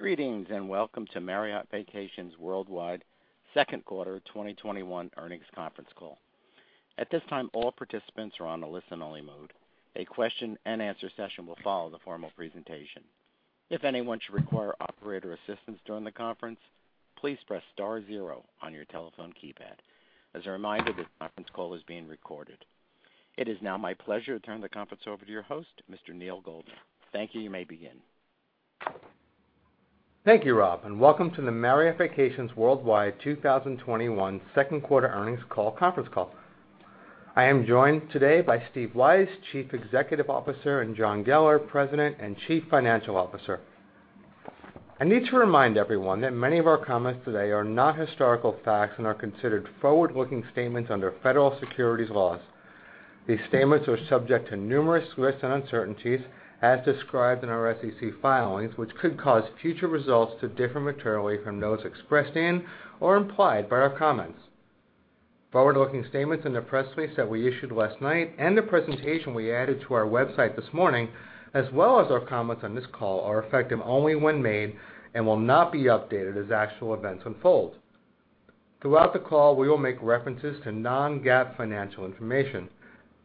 Greetings, and welcome to Marriott Vacations Worldwide second quarter 2021 earnings conference call. At this time, all participants are on a listen-only mode. A question-and-answer session will follow the formal presentation. If anyone should require operator assistance during the conference, please press star zero on your telephone keypad. As a reminder, this conference call is being recorded. It is now my pleasure to turn the conference over to your host, Mr. Neal Goldner. Thank you. You may begin. Thank you, Rob, and welcome to the Marriott Vacations Worldwide 2021 second quarter earnings call conference call. I am joined today by Steve Weisz, Chief Executive Officer, and John Geller, President and Chief Financial Officer. I need to remind everyone that many of our comments today are not historical facts and are considered forward-looking statements under federal securities laws. These statements are subject to numerous risks and uncertainties, as described in our SEC filings, which could cause future results to differ materially from those expressed in or implied by our comments. Forward-looking statements in the press release that we issued last night and the presentation we added to our website this morning, as well as our comments on this call, are effective only when made and will not be updated as actual events unfold. Throughout the call, we will make references to non-GAAP financial information.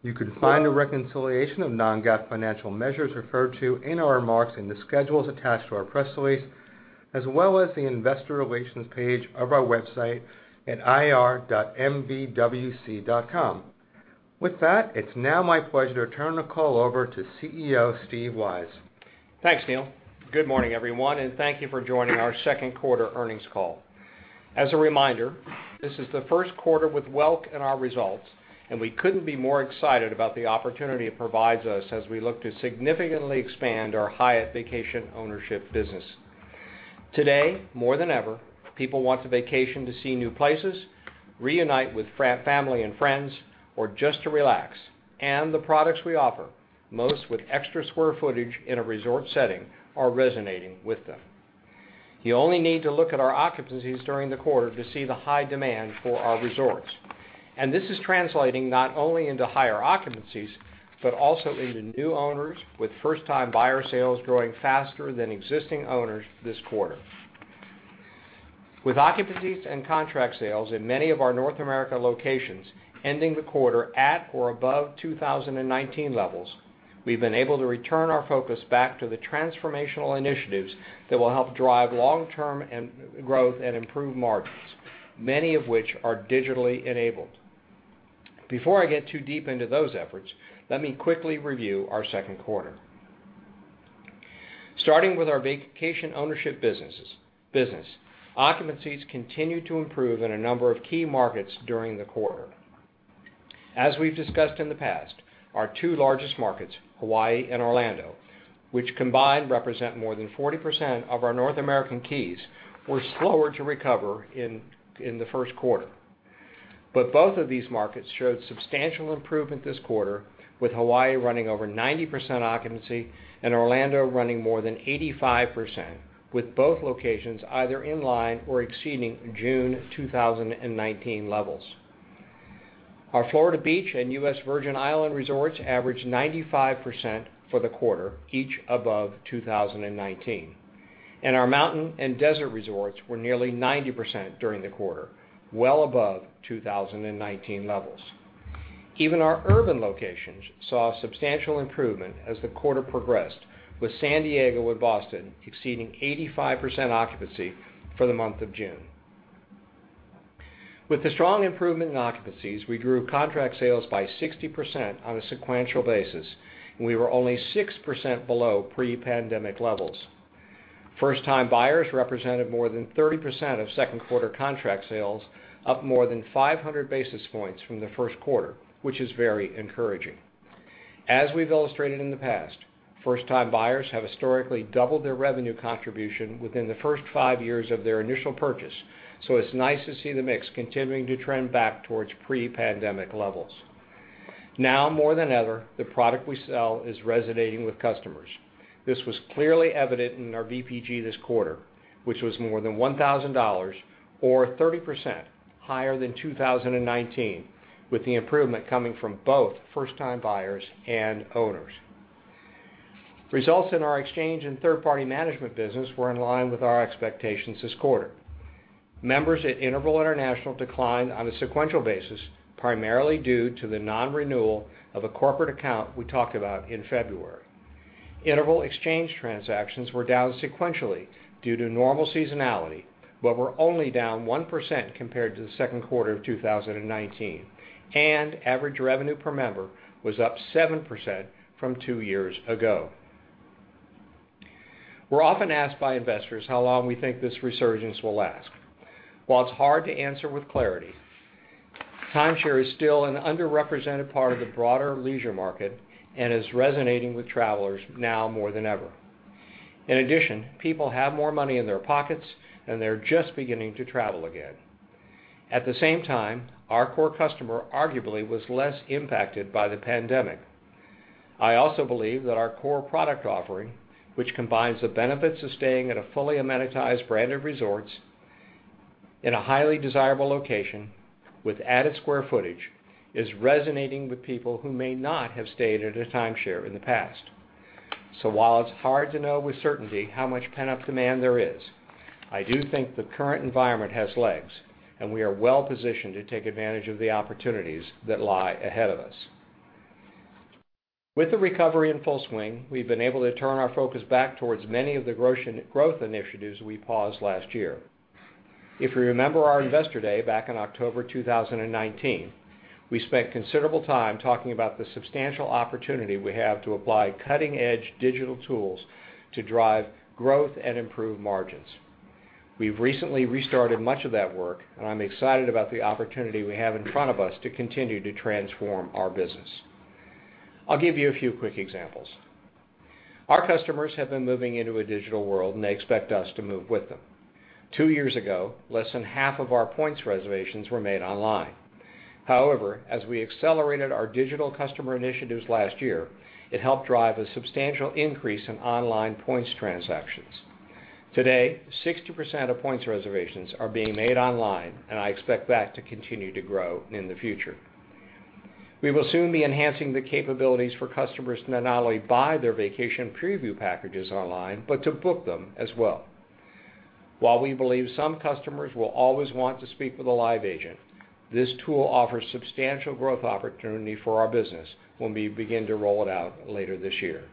You can find a reconciliation of non-GAAP financial measures referred to in our remarks in the schedules attached to our press release, as well as the investor relations page of our website at ir.mvwc.com. With that, it is now my pleasure to turn the call over to Chief Executive Officer Steve Weisz. Thanks, Neal. Good morning, everyone, thank you for joining our second quarter earnings call. As a reminder, this is the first quarter with Welk Resorts in our results. We couldn't be more excited about the opportunity it provides us as we look to significantly expand our Hyatt Vacation Ownership business. Today, more than ever, people want to vacation to see new places, reunite with family and friends, or just to relax. The products we offer, most with extra square footage in a resort setting, are resonating with them. You only need to look at our occupancies during the quarter to see the high demand for our resorts. This is translating not only into higher occupancies, but also into new owners with first-time buyer sales growing faster than existing owners this quarter. With occupancies and contract sales in many of our North America locations ending the quarter at or above 2019 levels, we've been able to return our focus back to the transformational initiatives that will help drive long-term growth and improve margins, many of which are digitally enabled. Before I get too deep into those efforts, let me quickly review our second quarter. Starting with our vacation ownership business, occupancies continued to improve in a number of key markets during the quarter. As we've discussed in the past, our two largest markets, Hawaii and Orlando, which combined represent more than 40% of our North American keys, were slower to recover in the first quarter. Both of these markets showed substantial improvement this quarter, with Hawaii running over 90% occupancy and Orlando running more than 85%, with both locations either in line or exceeding June 2019 levels. Our Florida beach and U.S. Virgin Island resorts averaged 95% for the quarter, each above 2019. Our mountain and desert resorts were nearly 90% during the quarter, well above 2019 levels. Even our urban locations saw substantial improvement as the quarter progressed, with San Diego and Boston exceeding 85% occupancy for the month of June. With the strong improvement in occupancies, we grew contract sales by 60% on a sequential basis. We were only 6% below pre-pandemic levels. First-time buyers represented more than 30% of second quarter contract sales, up more than 500 basis points from the first quarter, which is very encouraging. As we've illustrated in the past, first-time buyers have historically doubled their revenue contribution within the first five years of their initial purchase. It's nice to see the mix continuing to trend back towards pre-pandemic levels. Now more than ever, the product we sell is resonating with customers. This was clearly evident in our VPG this quarter, which was more than $1,000, or 30%, higher than 2019, with the improvement coming from both first-time buyers and owners. Results in our exchange and third-party management business were in line with our expectations this quarter. Members at Interval International declined on a sequential basis, primarily due to the non-renewal of a corporate account we talked about in February. Interval exchange transactions were down sequentially due to normal seasonality, but were only down 1% compared to the second quarter of 2019, and average revenue per member was up 7% from two years ago. We're often asked by investors how long we think this resurgence will last. It's hard to answer with clarity, timeshare is still an underrepresented part of the broader leisure market and is resonating with travelers now more than ever. People have more money in their pockets, and they're just beginning to travel again. Our core customer arguably was less impacted by the pandemic. I also believe that our core product offering, which combines the benefits of staying at a fully amenitized branded resorts in a highly desirable location with added square footage is resonating with people who may not have stayed at a timeshare in the past. While it's hard to know with certainty how much pent-up demand there is, I do think the current environment has legs, and we are well-positioned to take advantage of the opportunities that lie ahead of us. With the recovery in full swing, we've been able to turn our focus back towards many of the growth initiatives we paused last year. If you remember our investor day back in October 2019, we spent considerable time talking about the substantial opportunity we have to apply cutting-edge digital tools to drive growth and improve margins. We've recently restarted much of that work, and I'm excited about the opportunity we have in front of us to continue to transform our business. I'll give you a few quick examples. Our customers have been moving into a digital world, and they expect us to move with them. Two years ago, less than half of our points reservations were made online. However, as we accelerated our digital customer initiatives last year, it helped drive a substantial increase in online points transactions. Today, 60% of points reservations are being made online, and I expect that to continue to grow in the future. We will soon be enhancing the capabilities for customers to not only buy their vacation preview packages online, but to book them as well. While we believe some customers will always want to speak with a live agent, this tool offers substantial growth opportunity for our business when we begin to roll it out later this year.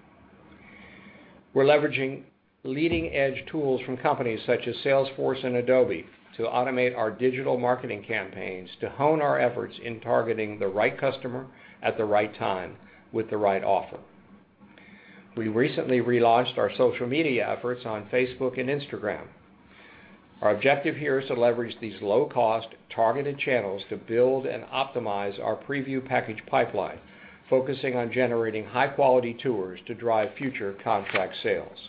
We're leveraging leading-edge tools from companies such as Salesforce and Adobe to automate our digital marketing campaigns to hone our efforts in targeting the right customer at the right time with the right offer. We recently relaunched our social media efforts on Facebook and Instagram. Our objective here is to leverage these low-cost targeted channels to build and optimize our preview package pipeline, focusing on generating high-quality tours to drive future contract sales.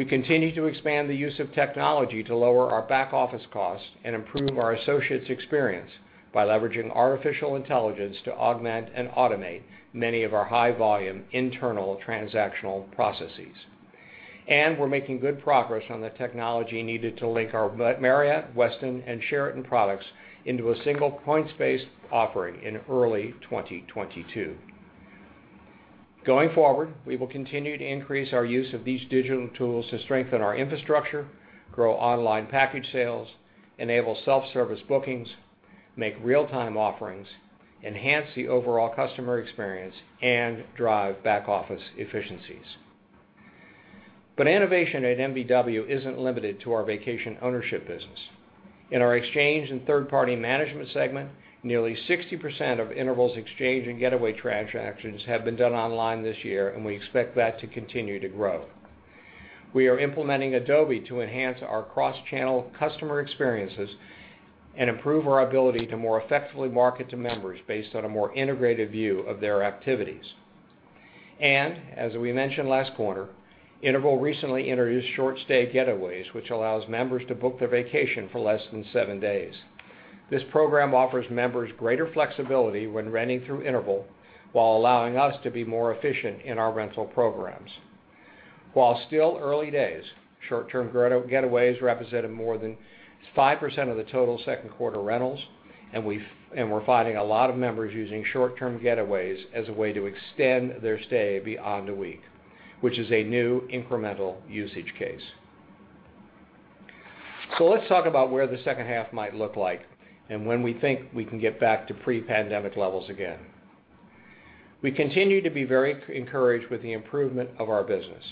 We continue to expand the use of technology to lower our back-office costs and improve our associates' experience by leveraging artificial intelligence to augment and automate many of our high-volume internal transactional processes. We're making good progress on the technology needed to link our Marriott, Westin, and Sheraton products into a single points-based offering in early 2022. Going forward, we will continue to increase our use of these digital tools to strengthen our infrastructure, grow online package sales, enable self-service bookings, make real-time offerings, enhance the overall customer experience, and drive back-office efficiencies. Innovation at MVW isn't limited to our vacation ownership business. In our exchange and third-party management segment, nearly 60% of Interval's exchange and getaway transactions have been done online this year, and we expect that to continue to grow. We are implementing Adobe to enhance our cross-channel customer experiences and improve our ability to more effectively market to members based on a more integrated view of their activities. As we mentioned last quarter, Interval recently introduced short-stay getaways, which allows members to book their vacation for less than seven days. This program offers members greater flexibility when renting through Interval while allowing us to be more efficient in our rental programs. While still early days, short-term getaways represented more than 5% of the total second quarter rentals, We're finding a lot of members using short-term getaways as a way to extend their stay beyond a week, which is a new incremental usage case. Let's talk about where the second half might look like and when we think we can get back to pre-pandemic levels again. We continue to be very encouraged with the improvement of our business.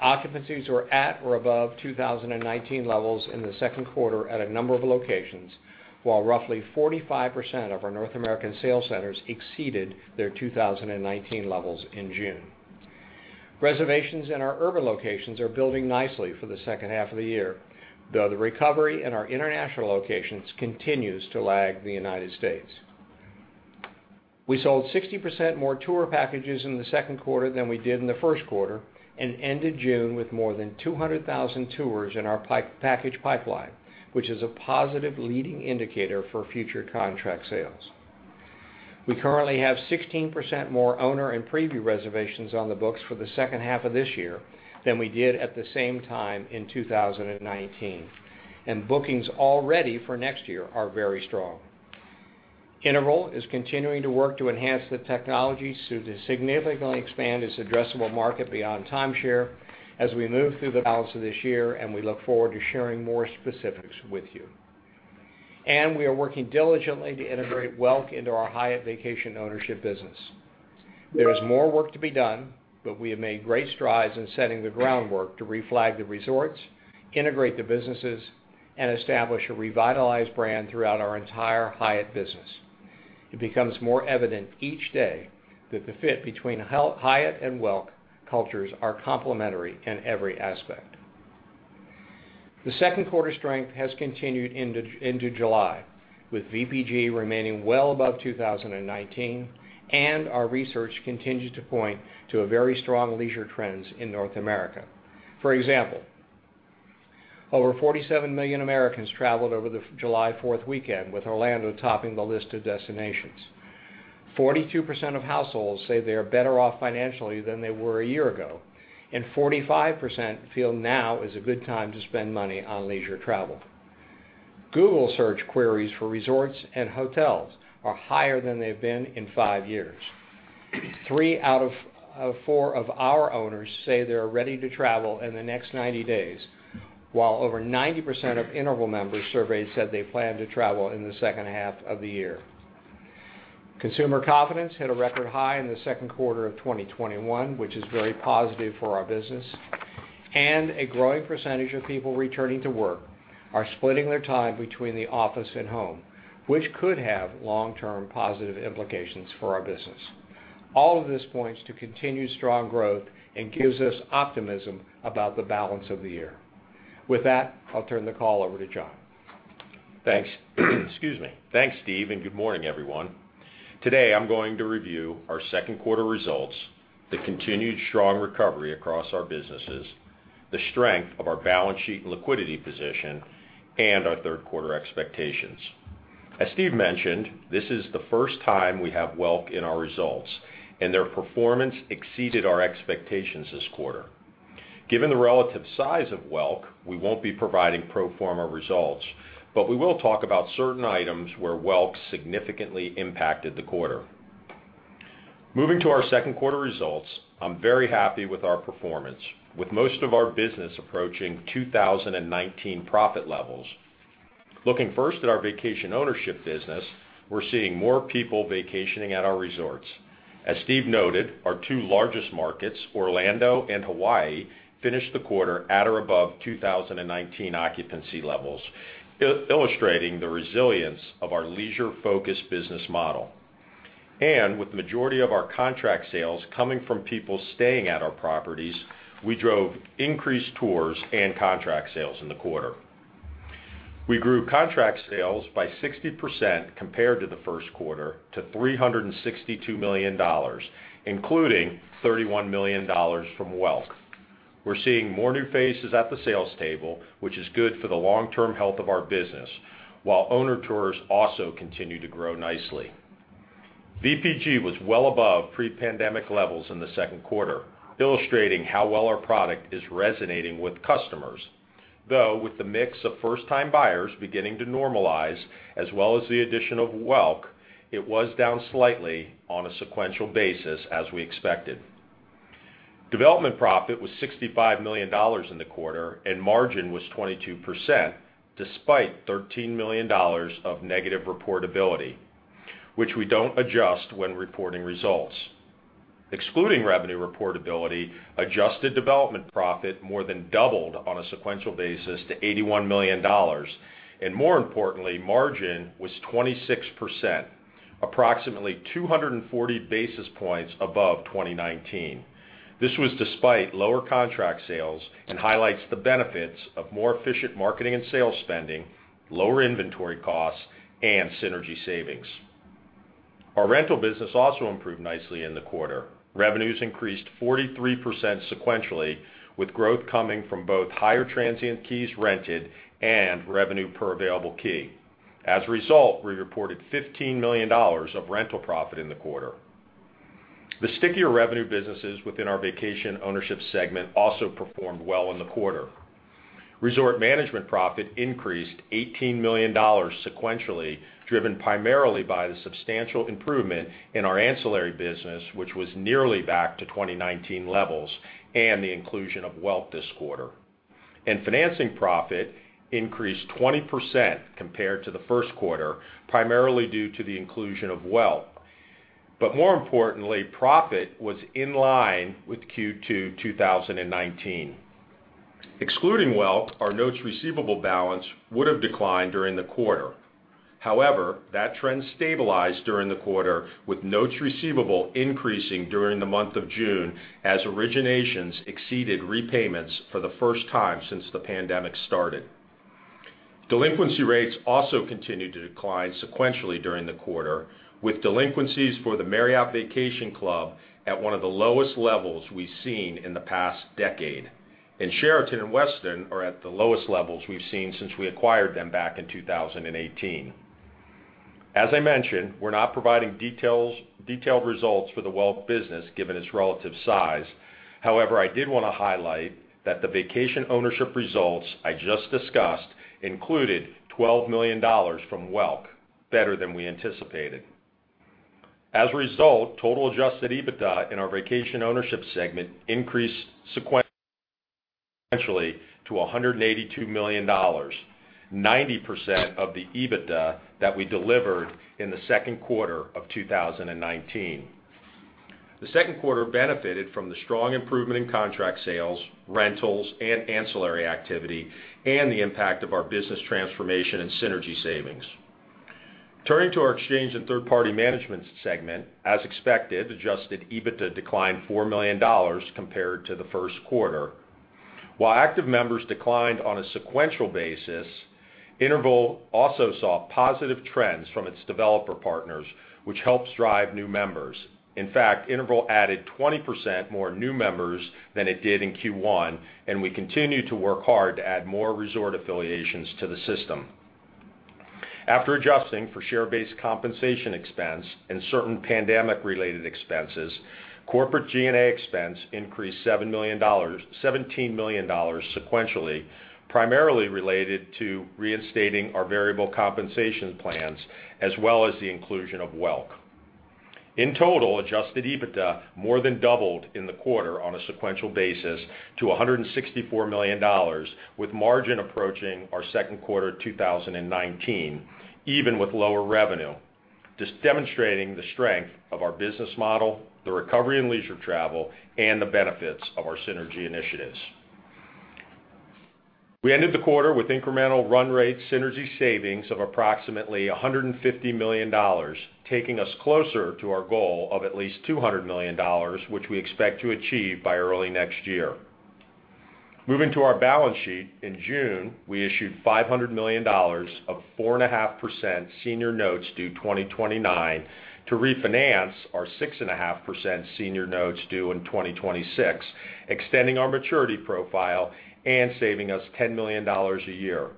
Occupancies were at or above 2019 levels in the second quarter at a number of locations, while roughly 45% of our North American sales centers exceeded their 2019 levels in June. Reservations in our urban locations are building nicely for the second half of the year, though the recovery in our international locations continues to lag the United States. We sold 60% more tour packages in the second quarter than we did in the first quarter and ended June with more than 200,000 tours in our package pipeline, which is a positive leading indicator for future contract sales. We currently have 16% more owner and preview reservations on the books for the second half of this year than we did at the same time in 2019, and bookings already for next year are very strong. Interval is continuing to work to enhance the technology to significantly expand its addressable market beyond timeshare as we move through the balance of this year, and we look forward to sharing more specifics with you. We are working diligently to integrate Welk into our Hyatt Vacation Ownership business. There is more work to be done, but we have made great strides in setting the groundwork to reflag the resorts, integrate the businesses, and establish a revitalized brand throughout our entire Hyatt business. It becomes more evident each day that the fit between Hyatt and Welk cultures are complementary in every aspect. The second quarter strength has continued into July, with VPG remaining well above 2019, and our research continues to point to very strong leisure trends in North America. For example, over 47 million Americans traveled over the July 4th weekend, with Orlando topping the list of destinations. 42% of households say they are better off financially than they were a year ago, and 45% feel now is a good time to spend money on leisure travel. Google Search queries for resorts and hotels are higher than they've been in five years. Three out of four of our owners say they are ready to travel in the next 90 days, while over 90% of Interval members surveyed said they plan to travel in the second half of the year. Consumer confidence hit a record high in the second quarter of 2021, which is very positive for our business. A growing percentage of people returning to work are splitting their time between the office and home, which could have long-term positive implications for our business. All of this points to continued strong growth and gives us optimism about the balance of the year. With that, I'll turn the call over to John. Thanks. Excuse me. Thanks, Steve. Good morning, everyone. Today, I'm going to review our second quarter results, the continued strong recovery across our businesses, the strength of our balance sheet and liquidity position, and our third quarter expectations. As Steve mentioned, this is the first time we have Welk in our results, and their performance exceeded our expectations this quarter. Given the relative size of Welk, we won't be providing pro forma results, but we will talk about certain items where Welk significantly impacted the quarter. Moving to our second quarter results, I'm very happy with our performance, with most of our business approaching 2019 profit levels. Looking first at our vacation ownership business, we're seeing more people vacationing at our resorts. As Steve noted, our two largest markets, Orlando and Hawaii, finished the quarter at or above 2019 occupancy levels, illustrating the resilience of our leisure-focused business model. With the majority of our contract sales coming from people staying at our properties, we drove increased tours and contract sales in the quarter. We grew contract sales by 60% compared to the first quarter to $362 million, including $31 million from Welk. We're seeing more new faces at the sales table, which is good for the long-term health of our business, while owner tours also continue to grow nicely. VPG was well above pre-pandemic levels in the second quarter, illustrating how well our product is resonating with customers. With the mix of first-time buyers beginning to normalize as well as the addition of Welk, it was down slightly on a sequential basis as we expected. Development profit was $65 million in the quarter, and margin was 22%, despite $13 million of negative reportability, which we don't adjust when reporting results. Excluding revenue reportability, adjusted development profit more than doubled on a sequential basis to $81 million, and more importantly, margin was 26%, approximately 240 basis points above 2019. This was despite lower contract sales and highlights the benefits of more efficient marketing and sales spending, lower inventory costs, and synergy savings. Our rental business also improved nicely in the quarter. Revenues increased 43% sequentially, with growth coming from both higher transient keys rented and revenue per available key. As a result, we reported $15 million of rental profit in the quarter. The stickier revenue businesses within our vacation ownership segment also performed well in the quarter. Resort management profit increased $18 million sequentially, driven primarily by the substantial improvement in our ancillary business, which was nearly back to 2019 levels, and the inclusion of Welk this quarter. Financing profit increased 20% compared to the first quarter, primarily due to the inclusion of Welk. More importantly, profit was in line with Q2 2019. Excluding Welk, our notes receivable balance would have declined during the quarter. However, that trend stabilized during the quarter with notes receivable increasing during the month of June as originations exceeded repayments for the first time since the pandemic started. Delinquency rates also continued to decline sequentially during the quarter, with delinquencies for the Marriott Vacation Club at one of the lowest levels we've seen in the past decade. Sheraton and Westin are at the lowest levels we've seen since we acquired them back in 2018. As I mentioned, we're not providing detailed results for the Welk business given its relative size. However, I did want to highlight that the vacation ownership results I just discussed included $12 million from Welk, better than we anticipated. As a result, total Adjusted EBITDA in our vacation ownership segment increased sequentially to $182 million, 90% of the EBITDA that we delivered in the second quarter of 2019. The second quarter benefited from the strong improvement in contract sales, rentals, and ancillary activity, and the impact of our business transformation and synergy savings. Turning to our exchange and third-party management segment, as expected, Adjusted EBITDA declined $4 million compared to the first quarter. While active members declined on a sequential basis, Interval also saw positive trends from its developer partners, which helps drive new members. Interval added 20% more new members than it did in Q1, and we continue to work hard to add more resort affiliations to the system. After adjusting for share-based compensation expense and certain pandemic related expenses, corporate G&A expense increased $17 million sequentially, primarily related to reinstating our variable compensation plans, as well as the inclusion of Welk. Adjusted EBITDA more than doubled in the quarter on a sequential basis to $164 million with margin approaching our second quarter 2019, even with lower revenue, just demonstrating the strength of our business model, the recovery in leisure travel, and the benefits of our synergy initiatives. We ended the quarter with incremental run rate synergy savings of approximately $150 million, taking us closer to our goal of at least $200 million, which we expect to achieve by early next year. Moving to our balance sheet. In June, we issued $500 million of 4.5% senior notes due 2029 to refinance our 6.5% senior notes due in 2026, extending our maturity profile and saving us $10 million a year.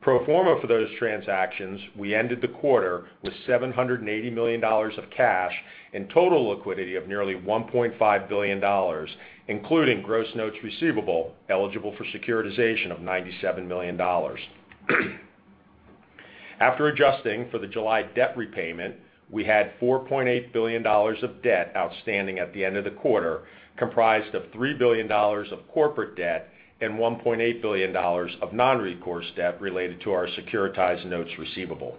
Pro forma for those transactions, we ended the quarter with $780 million of cash and total liquidity of nearly $1.5 billion, including gross notes receivable eligible for securitization of $97 million. After adjusting for the July debt repayment, we had $4.8 billion of debt outstanding at the end of the quarter, comprised of $3 billion of corporate debt and $1.8 billion of non-recourse debt related to our securitized notes receivable.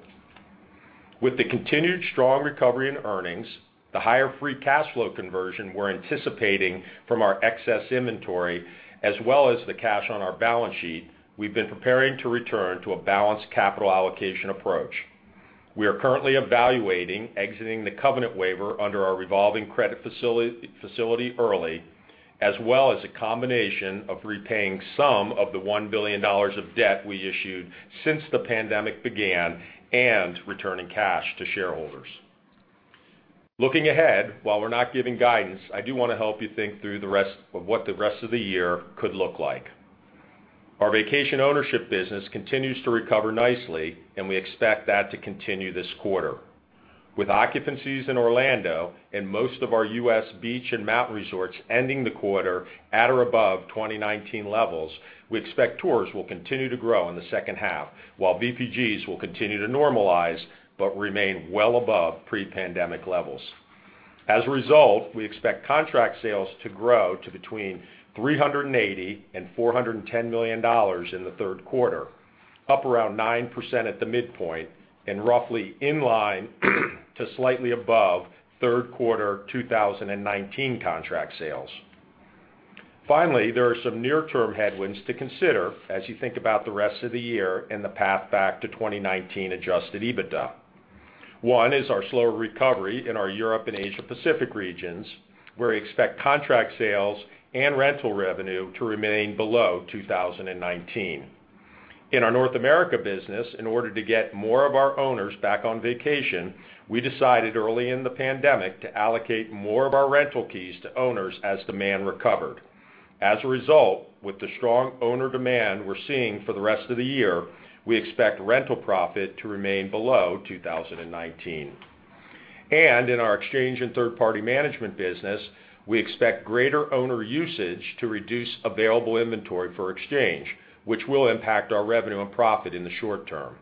With the continued strong recovery in earnings, the higher free cash flow conversion we're anticipating from our excess inventory, as well as the cash on our balance sheet, we've been preparing to return to a balanced capital allocation approach. We are currently evaluating exiting the covenant waiver under our revolving credit facility early, as well as a combination of repaying some of the $1 billion of debt we issued since the pandemic began and returning cash to shareholders. Looking ahead, while we're not giving guidance, I do want to help you think through what the rest of the year could look like. Our vacation ownership business continues to recover nicely, and we expect that to continue this quarter. With occupancies in Orlando and most of our U.S. beach and mountain resorts ending the quarter at or above 2019 levels, we expect tours will continue to grow in the second half, while VPGs will continue to normalize but remain well above pre-pandemic levels. As a result, we expect contract sales to grow to between $380 million-$410 million in the third quarter, up around 9% at the midpoint, and roughly in line to slightly above third quarter 2019 contract sales. There are some near-term headwinds to consider as you think about the rest of the year and the path back to 2019 Adjusted EBITDA. One is our slower recovery in our Europe and Asia Pacific regions, where we expect contract sales and rental revenue to remain below 2019. In our North America business, in order to get more of our owners back on vacation, we decided early in the pandemic to allocate more of our rental keys to owners as demand recovered. As a result, with the strong owner demand we're seeing for the rest of the year, we expect rental profit to remain below 2019. In our exchange and third-party management business, we expect greater owner usage to reduce available inventory for exchange, which will impact our revenue and profit in the short term.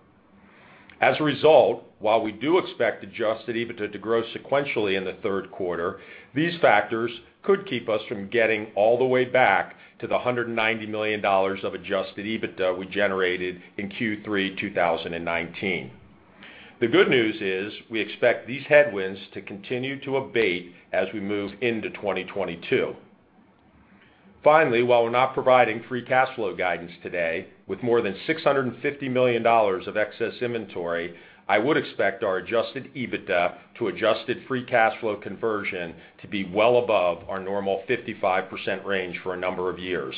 As a result, while we do expect Adjusted EBITDA to grow sequentially in the third quarter, these factors could keep us from getting all the way back to the $190 million of Adjusted EBITDA we generated in Q3 2019. The good news is we expect these headwinds to continue to abate as we move into 2022. Finally, while we're not providing free cash flow guidance today, with more than $650 million of excess inventory, I would expect our Adjusted EBITDA to adjusted free cash flow conversion to be well above our normal 55% range for a number of years.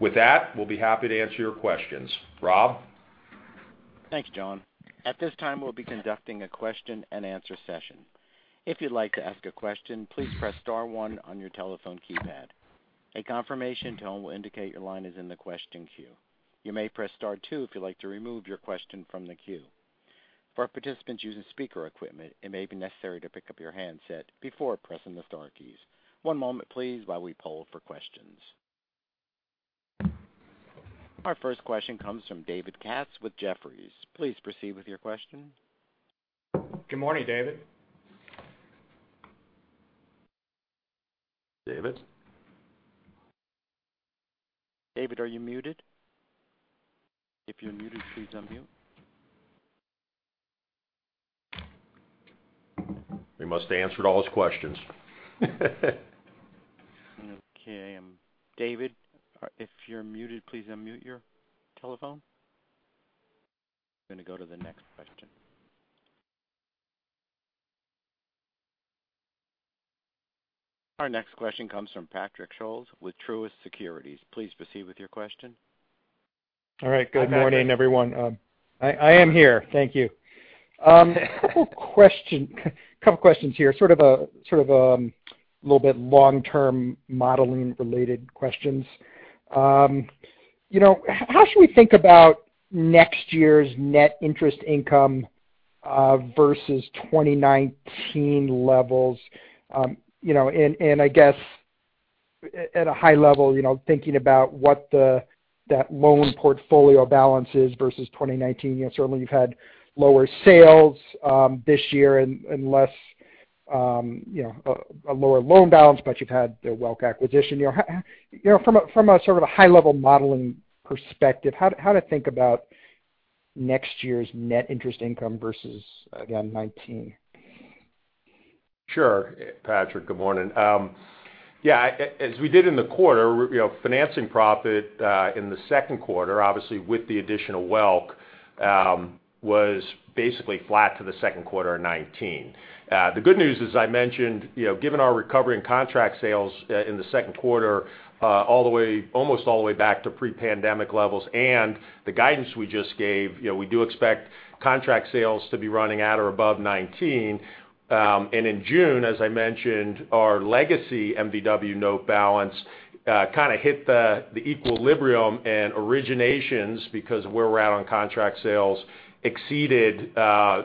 With that, we'll be happy to answer your questions. Rob? Thanks, John. At this time, we'll be conducting a question and answer session. If you'd like to ask a question, please press star one on your telephone keypad. A confirmation tone will indicate your line is in the question queue. You may press star two if you'd like to remove your question from the queue. For our participants using speaker equipment, it may be necessary to pick up your handset before pressing the star keys. One moment please while we poll for questions. Our first question comes from David Katz with Jefferies. Please proceed with your question. Good morning, David. David? David, are you muted? If you're muted, please unmute. We must have answered all his questions. Okay. David, if you're muted, please unmute your telephone. Going to go to the next question. Our next question comes from Patrick Scholes with Truist Securities. Please proceed with your question. All right. Good morning, everyone. I am here, thank you. A couple of questions here. A little bit long-term modeling related questions. How should we think about next year's net interest income versus 2019 levels? I guess at a high level, thinking about what that loan portfolio balance is versus 2019. Certainly, you've had lower sales this year and a lower loan balance, but you've had the Welk acquisition. From a sort of a high-level modeling perspective, how to think about next year's net interest income versus, again, 2019? Sure. Patrick, good morning. As we did in the quarter, financing profit in the second quarter, obviously with the additional Welk Resorts, was basically flat to the second quarter of 2019. The good news, as I mentioned, given our recovery and contract sales in the second quarter almost all the way back to pre-pandemic levels, the guidance we just gave, we do expect contract sales to be running at or above 2019. In June, as I mentioned, our legacy MVW note balance kind of hit the equilibrium and originations because of where we're at on contract sales exceeded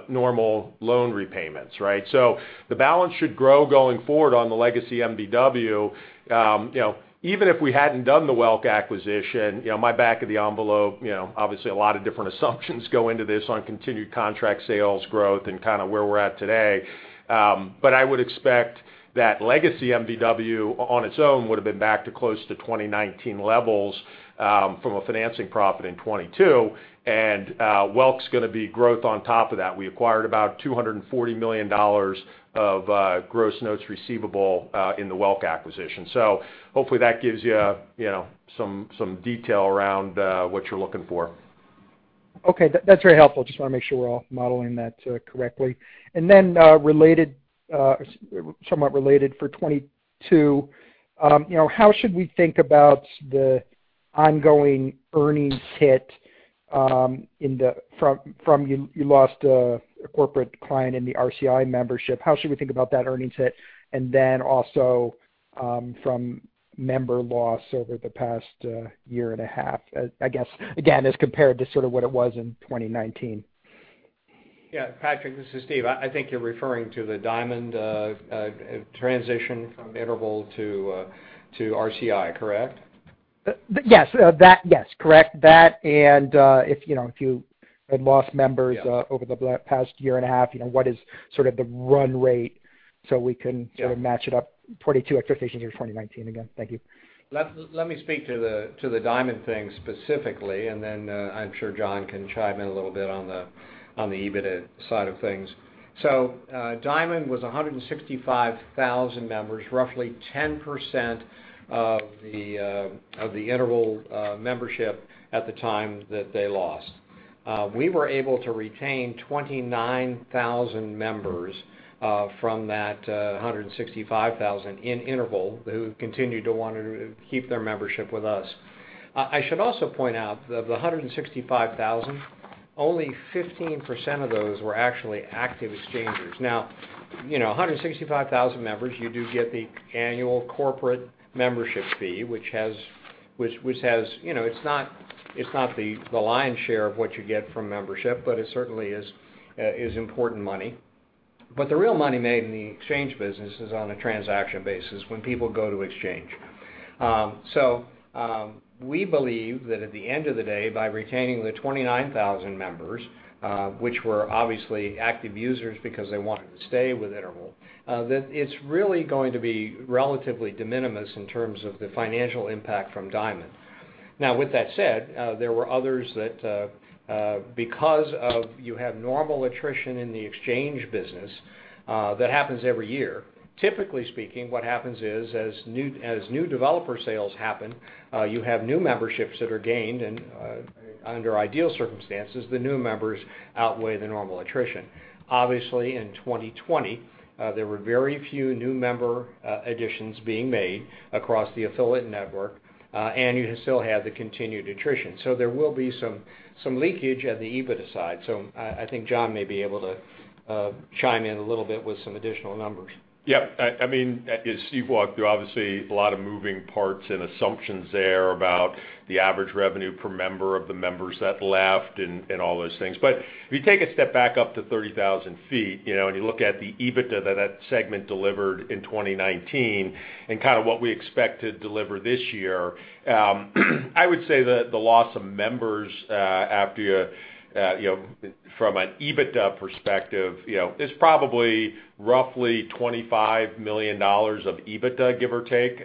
normal loan repayments, right? The balance should grow going forward on the legacy MVW. Even if we hadn't done the Welk Resorts acquisition, my back-of-the-envelope, obviously, a lot of different assumptions go into this on continued contract sales growth and kind of where we're at today. I would expect that legacy MVW on its own would've been back to close to 2019 levels from a financing profit in 2022. Welk's going to be growth on top of that. We acquired about $240 million of gross notes receivable in the Welk acquisition. Hopefully that gives you some detail around what you're looking for. Okay. That's very helpful. Just want to make sure we're all modeling that correctly. Somewhat related for 2022, how should we think about the ongoing earnings hit from you lost a corporate client in the RCI membership? How should we think about that earnings hit? Also from member loss over the past year and a half, I guess again, as compared to sort of what it was in 2019. Yeah. Patrick, this is Steve. I think you're referring to the Diamond transition from Interval to RCI, correct? Yes, correct. That, and if you had lost members- Yeah. Over the past year and a half, what is sort of the run rate so we can- Yeah. Sort of match it up 2022 expectations versus 2019 again. Thank you. Let me speak to the Diamond thing specifically. I'm sure John can chime in a little bit on the EBITDA side of things. Diamond was 165,000 members, roughly 10% of the Interval membership at the time that they lost. We were able to retain 29,000 members from that 165,000 in Interval who continued to want to keep their membership with us. I should also point out of the 165,000, only 15% of those were actually active exchangers. 165,000 members, you do get the annual corporate membership fee, which it's not the lion's share of what you get from membership, but it certainly is important money. The real money made in the exchange business is on a transaction basis when people go to exchange. We believe that at the end of the day, by retaining the 29,000 members, which were obviously active users because they wanted to stay with Interval, that it's really going to be relatively de minimis in terms of the financial impact from Diamond. Now with that said, there were others that because of you have normal attrition in the exchange business, that happens every year. Typically speaking, what happens is as new developer sales happen, you have new memberships that are gained and under ideal circumstances, the new members outweigh the normal attrition. Obviously, in 2020, there were very few new member additions being made across the affiliate network. You still had the continued attrition. There will be some leakage at the EBITDA side. I think John may be able to chime in a little bit with some additional numbers. Yeah. Steve walked through obviously a lot of moving parts and assumptions there about the average revenue per member of the members that left and all those things. If you take a step back up to 30,000 ft, you look at the EBITDA that that segment delivered in 2019 and kind of what we expect to deliver this year, I would say that the loss of members after from an EBITDA perspective is probably roughly $25 million of EBITDA, give or take,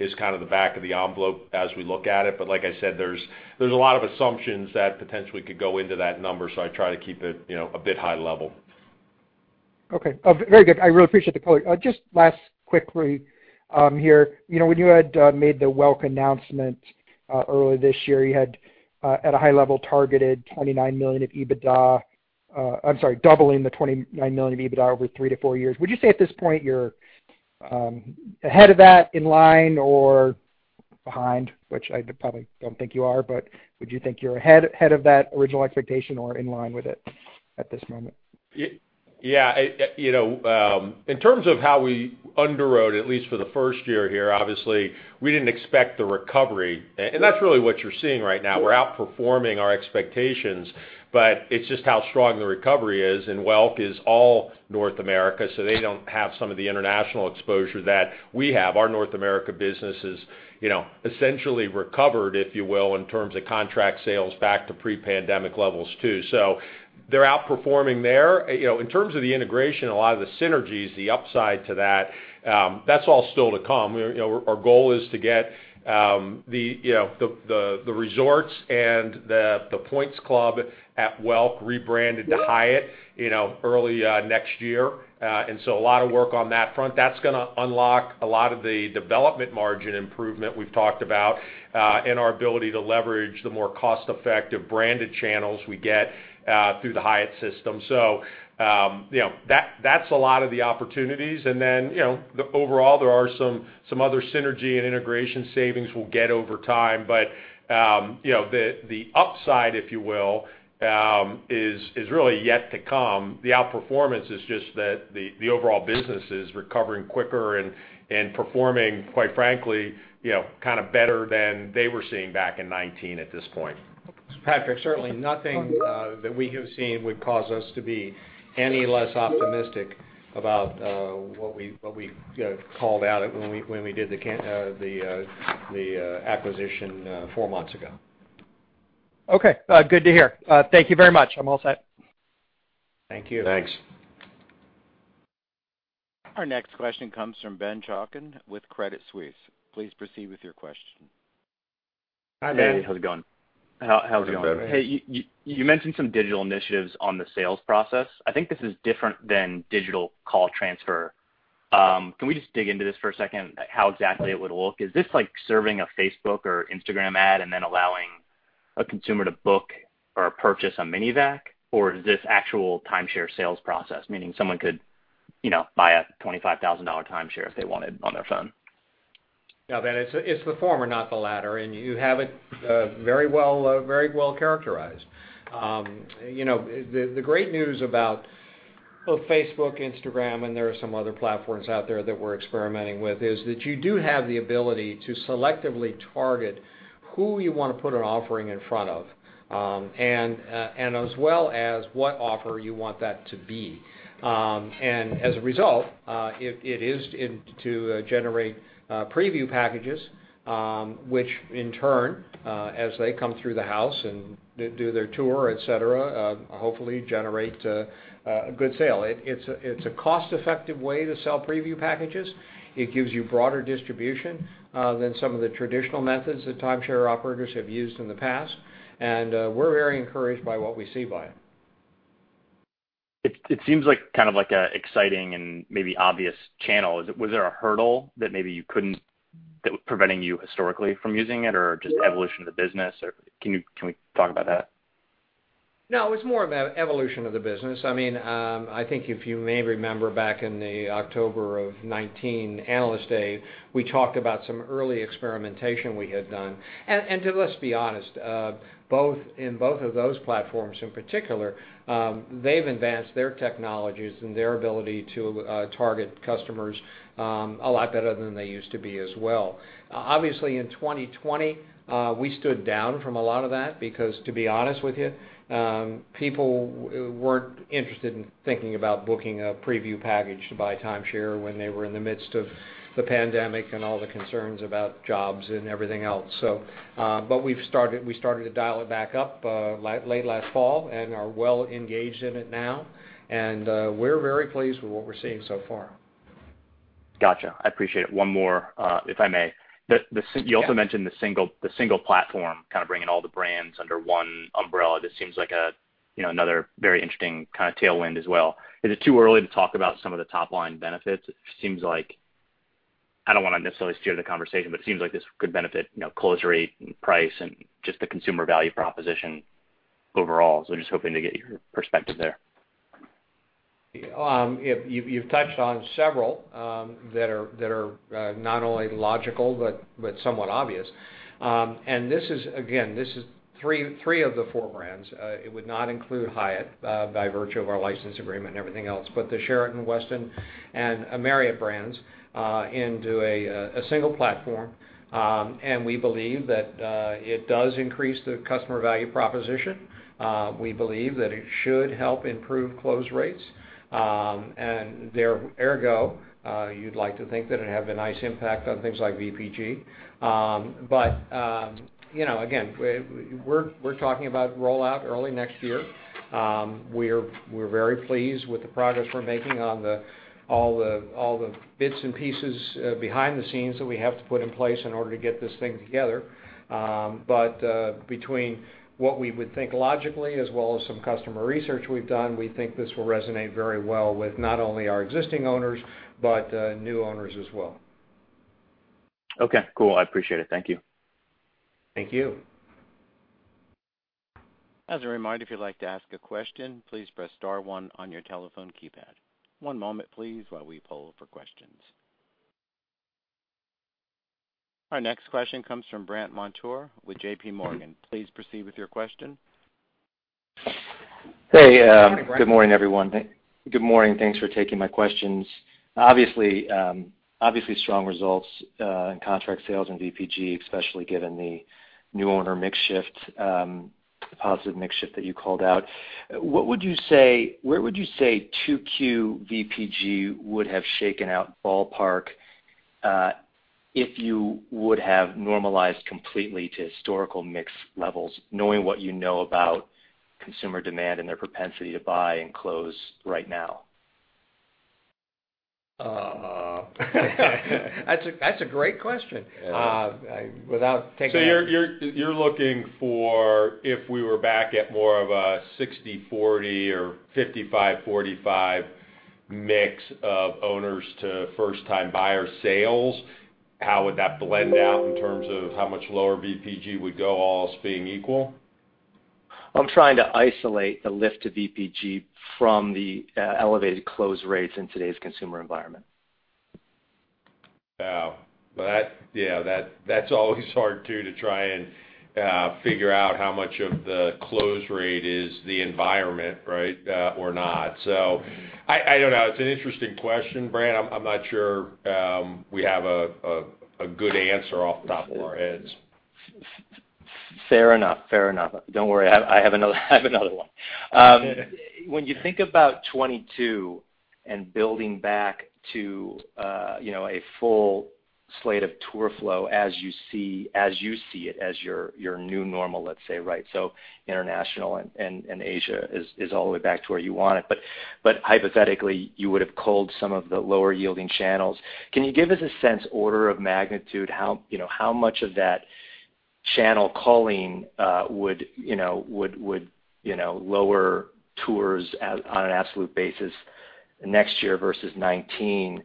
is kind of the back of the envelope as we look at it. Like I said, there's a lot of assumptions that potentially could go into that number, I try to keep it a bit high level. Okay. Very good. I really appreciate the color. Just last quickly here, when you had made the Welk announcement earlier this year, you had at a high level targeted $29 million of EBITDA, I'm sorry, doubling the $29 million of EBITDA over three to four years. Would you say at this point you're ahead of that, in line? Behind, which I probably don't think you are, but would you think you're ahead of that original expectation or in line with it at this moment? Yeah. In terms of how we underwrote, at least for the first year here, obviously, we didn't expect the recovery, and that's really what you're seeing right now. We're outperforming our expectations, but it's just how strong the recovery is, and Welk Resorts is all North America, so they don't have some of the international exposure that we have. Our North America business is essentially recovered, if you will, in terms of contract sales back to pre-pandemic levels, too. They're outperforming there. In terms of the integration, a lot of the synergies, the upside to that's all still to come. Our goal is to get the resorts and the points club at Welk Resorts rebranded to Hyatt Vacation Club early next year. A lot of work on that front. That's going to unlock a lot of the development margin improvement we've talked about and our ability to leverage the more cost-effective branded channels we get through the Hyatt system. That's a lot of the opportunities and then, overall, there are some other synergy and integration savings we'll get over time. The upside, if you will, is really yet to come. The outperformance is just that the overall business is recovering quicker and performing, quite frankly, kind of better than they were seeing back in 2019 at this point. Patrick, certainly nothing that we have seen would cause us to be any less optimistic about what we called out when we did the acquisition four months ago. Okay. Good to hear. Thank you very much. I'm all set. Thank you. Thanks. Our next question comes from Ben Chaiken with Credit Suisse. Please proceed with your question. Hi, Ben. Hey, how's it going? How's it going, Ben? Hey, you mentioned some digital initiatives on the sales process. I think this is different than digital call transfer. Can we just dig into this for a second? How exactly it would look? Is this like serving a Facebook or Instagram ad and then allowing a consumer to book or purchase on mini-vac? Is this actual timeshare sales process, meaning someone could buy a $25,000 timeshare if they wanted on their phone? No, Ben, it's the former, not the latter, and you have it very well characterized. The great news about both Facebook, Instagram, and there are some other platforms out there that we're experimenting with, is that you do have the ability to selectively target who you want to put an offering in front of, and as well as what offer you want that to be. As a result, it is to generate preview packages, which in turn, as they come through the house and do their tour, et cetera, hopefully generate a good sale. It's a cost-effective way to sell preview packages. It gives you broader distribution than some of the traditional methods that timeshare operators have used in the past, and we're very encouraged by what we see by it. It seems like kind of like an exciting and maybe obvious channel. Was there a hurdle that was preventing you historically from using it or just evolution of the business? Can we talk about that? No, it was more of an evolution of the business. I think if you may remember back in the October of 2019 Analyst Day, we talked about some early experimentation we had done. Let's be honest, in both of those platforms in particular, they've advanced their technologies and their ability to target customers a lot better than they used to be as well. Obviously, in 2020, we stood down from a lot of that because, to be honest with you, people weren't interested in thinking about booking a preview package to buy timeshare when they were in the midst of the pandemic and all the concerns about jobs and everything else. We started to dial it back up late last fall and are well engaged in it now, and we're very pleased with what we're seeing so far. Got you. I appreciate it. One more, if I may. Yeah. You also mentioned the single platform kind of bringing all the brands under one umbrella. This seems like another very interesting kind of tailwind as well. Is it too early to talk about some of the top-line benefits? I don't want to necessarily steer the conversation, but it seems like this could benefit close rate and price and just the consumer value proposition overall. Just hoping to get your perspective there. You've touched on several that are not only logical but somewhat obvious. Again, this is three of the four brands. It would not include Hyatt by virtue of our license agreement and everything else. The Sheraton, Westin, and Marriott brands into a single platform, and we believe that it does increase the customer value proposition. We believe that it should help improve close rates. Ergo, you'd like to think that it'd have a nice impact on things like VPG. Again, we're talking about rollout early next year. We're very pleased with the progress we're making on all the bits and pieces behind the scenes that we have to put in place in order to get this thing together. Between what we would think logically as well as some customer research we've done, we think this will resonate very well with not only our existing owners but new owners as well. Okay, cool. I appreciate it. Thank you. Thank you. As a reminder, if you'd like to ask a question, please press star one on your telephone keypad. One moment please, while we poll for questions. Our next question comes from Brandt Montour with JPMorgan. Please proceed with your question. Hey. Good morning, Brandt. Good morning. Thanks for taking my questions. Obviously, strong results in contract sales and VPG, especially given the new owner mix shift, the positive mix shift that you called out. Where would you say 2Q VPG would have shaken out ballpark, if you would have normalized completely to historical mix levels, knowing what you know about consumer demand and their propensity to buy and close right now? That's a great question. You're looking for if we were back at more of a 60/40 or 55/45 mix of owners to first time buyer sales, how would that blend out in terms of how much lower VPG would go, all else being equal? I'm trying to isolate the lift to VPG from the elevated close rates in today's consumer environment. Wow. That's always hard too, to try and figure out how much of the close rate is the environment, right? Or not. I don't know. It's an interesting question, Brandt. I'm not sure we have a good answer off the top of our heads. Fair enough. Don't worry. I have another one. When you think about 2022 and building back to a full slate of tour flow as you see it as your new normal, let's say, right? So international and Asia is all the way back to where you want it, hypothetically, you would've culled some of the lower yielding channels. Can you give us a sense, order of magnitude, how much of that channel culling would lower tours on an absolute basis next year versus 2019?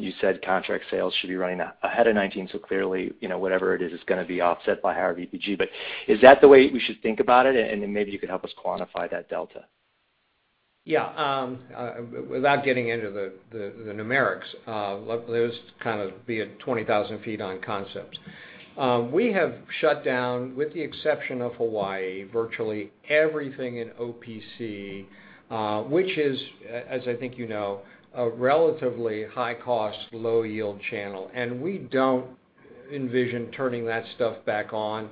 You said contract sales should be running ahead of 2019, so clearly, whatever it is, it's going to be offset by higher VPG. Is that the way we should think about it? Maybe you could help us quantify that delta. Without getting into the numerics, let this kind of be a 20,000 ft on concepts. We have shut down, with the exception of Hawaii, virtually everything in OPC, which is, as I think you know, a relatively high cost, low yield channel, and we don't envision turning that stuff back on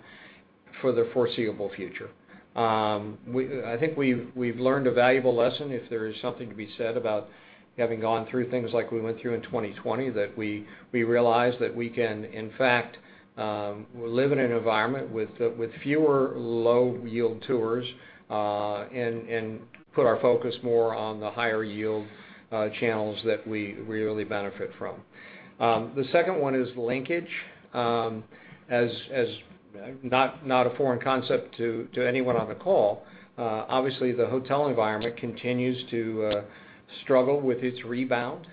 for the foreseeable future. I think we've learned a valuable lesson, if there is something to be said about having gone through things like we went through in 2020, that we realized that we can in fact live in an environment with fewer low yield tours, and put our focus more on the higher yield channels that we really benefit from. The second one is linkage. Not a foreign concept to anyone on the call, obviously the hotel environment continues to struggle with its rebound.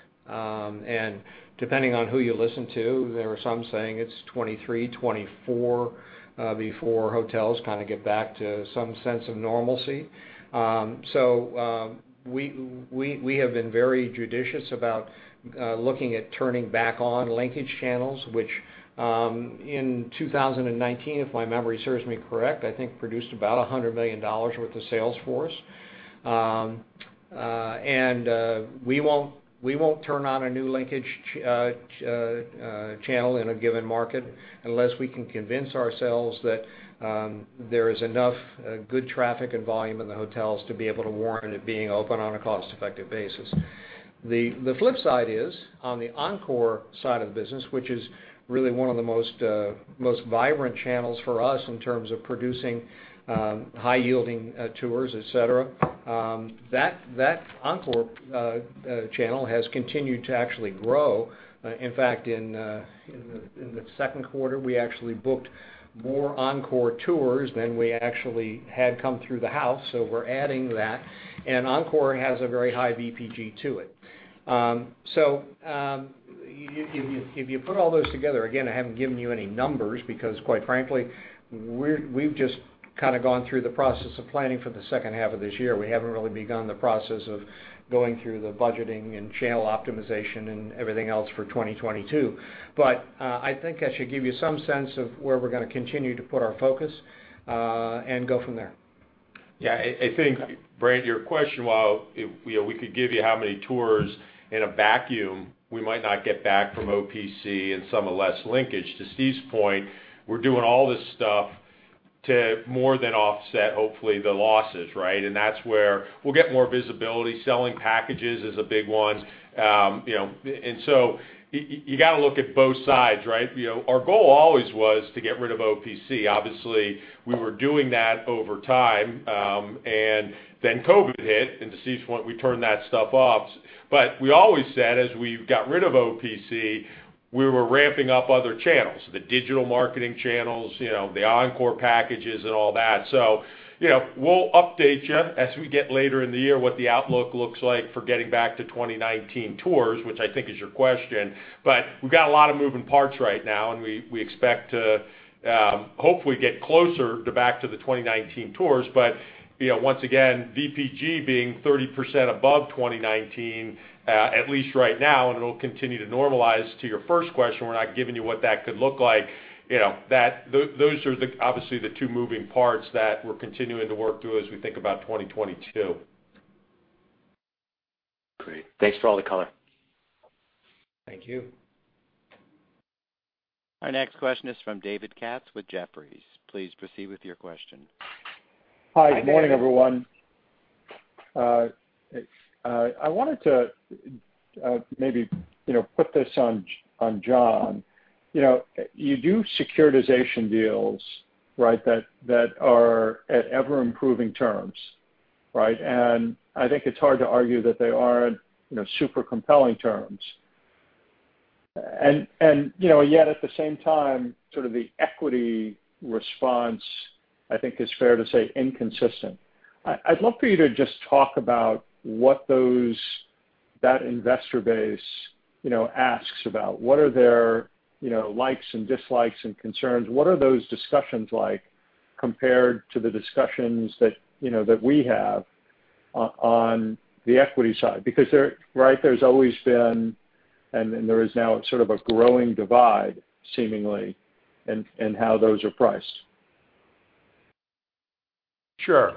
Depending on who you listen to, there are some saying it's 2023, 2024 before hotels kind of get back to some sense of normalcy. We have been very judicious about looking at turning back on linkage channels, which, in 2019, if my memory serves me correct, I think produced about $100 million worth of sales for us. We won't turn on a new linkage channel in a given market unless we can convince ourselves that there is enough good traffic and volume in the hotels to be able to warrant it being open on a cost effective basis. The flip side is on the Encore side of the business, which is really one of the most vibrant channels for us in terms of producing high yielding tours, et cetera, that Encore channel has continued to actually grow. In fact, in the second quarter, we actually booked more Encore tours than we actually had come through the house, so we're adding that, and Encore has a very high VPG to it. If you put all those together, again, I haven't given you any numbers because quite frankly, we've just kind of gone through the process of planning for the second half of this year. We haven't really begun the process of going through the budgeting and channel optimization and everything else for 2022. I think I should give you some sense of where we're going to continue to put our focus, and go from there. Yeah. I think, Brandt, your question, while we could give you how many tours in a vacuum we might not get back from OPC and some of less linkage, to Steve's point, we're doing all this stuff to more than offset, hopefully, the losses, right? That's where we'll get more visibility. Selling packages is a big one. You got to look at both sides, right? Our goal always was to get rid of OPC. Obviously, we were doing that over time, and then COVID hit, and to Steve's point, we turned that stuff off. We always said as we got rid of OPC, we were ramping up other channels, the digital marketing channels, the Encore packages and all that. We'll update you as we get later in the year what the outlook looks like for getting back to 2019 tours, which I think is your question. We've got a lot of moving parts right now, and we expect to hopefully get closer to back to the 2019 tours. Once again, VPG being 30% above 2019, at least right now, and it'll continue to normalize. To your first question, we're not giving you what that could look like. Those are obviously the two moving parts that we're continuing to work through as we think about 2022. Great. Thanks for all the color. Thank you. Our next question is from David Katz with Jefferies. Please proceed with your question. Hi. Good morning, everyone. I wanted to maybe put this on John. You do securitization deals that are at ever-improving terms. I think it's hard to argue that they aren't super compelling terms. Yet, at the same time, sort of the equity response, I think is fair to say, inconsistent. I'd love for you to just talk about what that investor base asks about. What are their likes and dislikes and concerns? What are those discussions like compared to the discussions that we have on the equity side? There's always been, and there is now sort of a growing divide, seemingly, in how those are priced. Sure.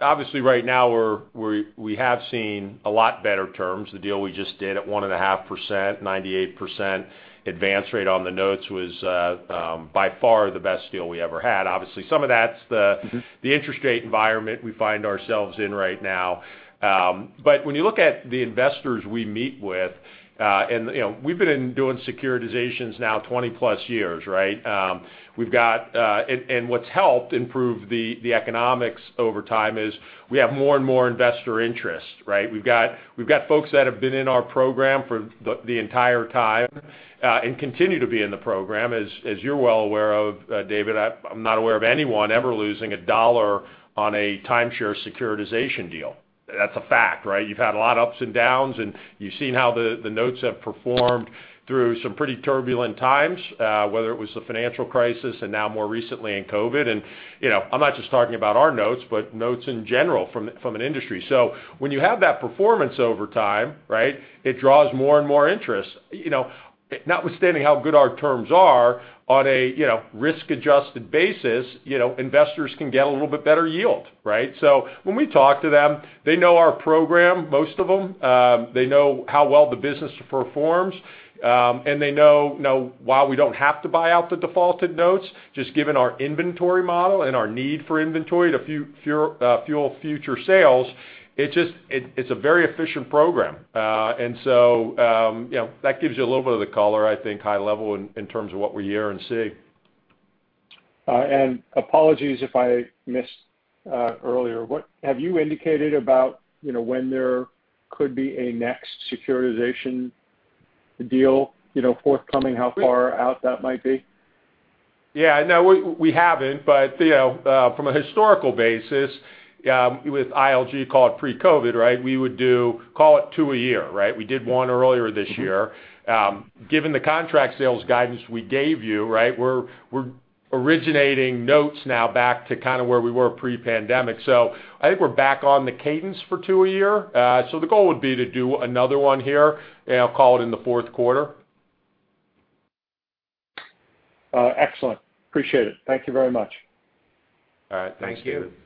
Obviously, right now we have seen a lot better terms. The deal we just did at 1.5%, 98% advance rate on the notes was by far the best deal we ever had. Obviously, some of that's the interest rate environment we find ourselves in right now. When you look at the investors we meet with, and we've been doing securitizations now 20+ years. What's helped improve the economics over time is we have more and more investor interest. We've got folks that have been in our program for the entire time, and continue to be in the program. As you're well aware of, David, I'm not aware of anyone ever losing a dollar on a timeshare securitization deal. That's a fact. You've had a lot of ups and downs, and you've seen how the notes have performed through some pretty turbulent times, whether it was the financial crisis and now more recently in COVID. I'm not just talking about our notes, but notes in general from an industry. When you have that performance over time, it draws more and more interest. Notwithstanding how good our terms are on a risk-adjusted basis, investors can get a little bit better yield. When we talk to them, they know our program, most of them. They know how well the business performs. They know while we don't have to buy out the defaulted notes, just given our inventory model and our need for inventory to fuel future sales, it's a very efficient program. That gives you a little bit of the color, I think, high level in terms of what we hear and see. Apologies if I missed earlier. Have you indicated about when there could be a next securitization deal forthcoming? How far out that might be? Yeah, no, we haven't. From a historical basis with ILG, call it pre-COVID, we would do, call it two a year. We did one earlier this year. Given the contract sales guidance we gave you, we're originating notes now back to kind of where we were pre-pandemic. I think we're back on the cadence for two a year. The goal would be to do another one here, and I'll call it in the fourth quarter. Excellent. Appreciate it. Thank you very much. All right. Thanks, David. Thank you.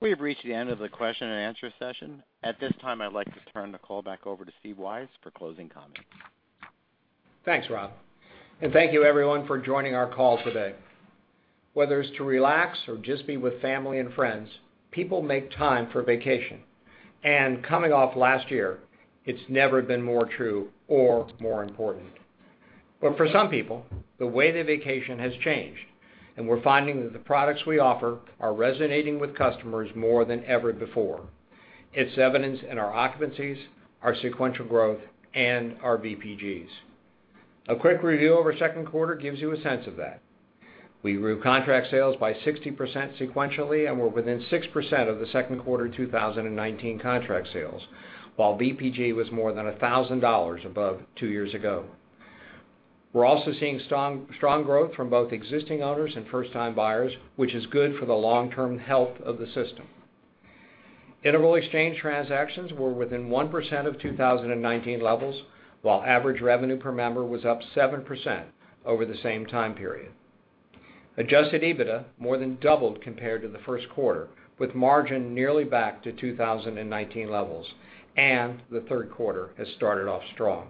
We have reached the end of the question and answer session. At this time, I'd like to turn the call back over to Steve Weisz for closing comments. Thanks, Rob. Thank you everyone for joining our call today. Whether it's to relax or just be with family and friends, people make time for vacation. Coming off last year, it's never been more true or more important. For some people, the way they vacation has changed, and we're finding that the products we offer are resonating with customers more than ever before. It's evidenced in our occupancies, our sequential growth, and our VPGs. A quick review of our second quarter gives you a sense of that. We grew contract sales by 60% sequentially, and we're within 6% of the second quarter 2019 contract sales, while VPG was more than $1,000 above two years ago. We're also seeing strong growth from both existing owners and first-time buyers, which is good for the long-term health of the system. Interval exchange transactions were within 1% of 2019 levels, while average revenue per member was up 7% over the same time period. Adjusted EBITDA more than doubled compared to the first quarter, with margin nearly back to 2019 levels. The third quarter has started off strong.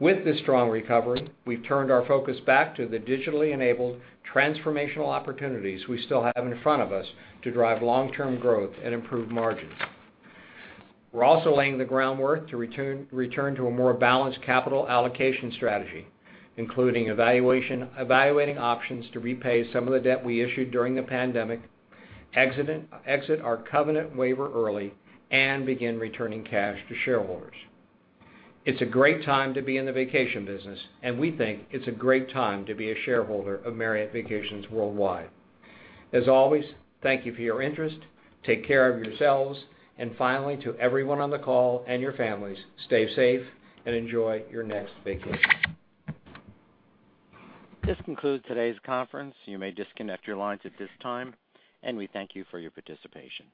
With this strong recovery, we've turned our focus back to the digitally enabled, transformational opportunities we still have in front of us to drive long-term growth and improve margins. We're also laying the groundwork to return to a more balanced capital allocation strategy, including evaluating options to repay some of the debt we issued during the pandemic, exit our covenant waiver early, and begin returning cash to shareholders. It's a great time to be in the vacation business. We think it's a great time to be a shareholder of Marriott Vacations Worldwide. As always, thank you for your interest. Take care of yourselves. Finally, to everyone on the call and your families, stay safe and enjoy your next vacation. This concludes today's conference. You may disconnect your lines at this time, and we thank you for your participation.